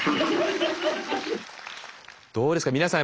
どうですか皆さん